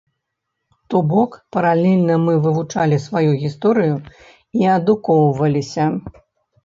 То бок, паралельна мы вывучалі сваю гісторыю і адукоўваліся.